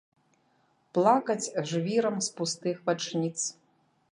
Плакаць жвірам з пустых вачніц.